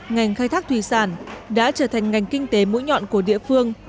ngành khai thác thủy sản đã trở thành ngành kinh tế mũi nhọn của địa phương